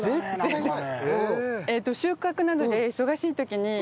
うまい。